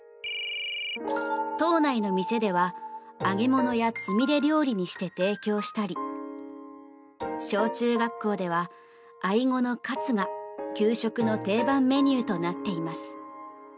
島内の店では揚げ物やつみれ料理にして提供したり小中学校では、アイゴのカツが給食の定番メニューとなっています。